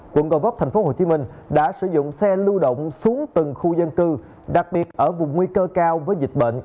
quận gò vấp tp hcm đã sử dụng xe lưu động xuống từng khu dân cư đặc biệt ở vùng nguy cơ cao với dịch bệnh